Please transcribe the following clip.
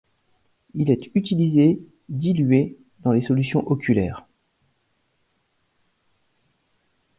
Il est utilisé dilué dans les solutions oculaires.